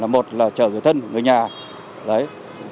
một là chở người thân người nhà không liên quan đến vấn đề trả khách